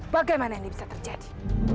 bagaimana ini bisa terjadi